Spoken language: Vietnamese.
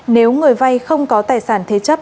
nếu người vay không có tài sản thế chấp